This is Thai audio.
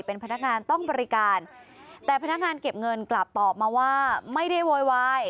เป็นพนักงานต้องบริการแต่พนักงานเก็บเงินกลับตอบมาว่าไม่ได้โวยวาย